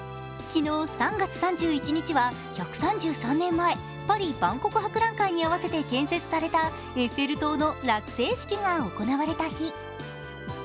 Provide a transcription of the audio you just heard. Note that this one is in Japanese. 昨日、３月３１日は１３３年前、パリ万国博覧会に合わせて建設されたエッフェル塔の落成式が行われた日。